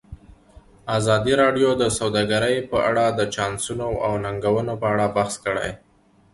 ازادي راډیو د سوداګري په اړه د چانسونو او ننګونو په اړه بحث کړی.